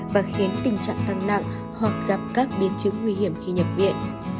và khiến tình trạng tăng nặng hoặc gặp các biến chứng nguy hiểm khi nhập viện